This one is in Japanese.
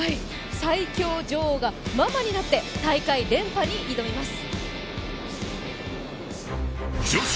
最強女王がママになって、大会連覇を狙います。